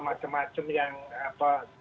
macem macem yang apa